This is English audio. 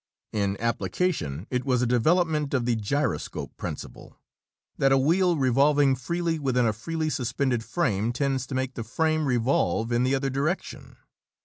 In application, it was a development of the gyroscope principle, that a wheel revolving freely within a freely suspended frame tends to make the frame revolve in the other direction.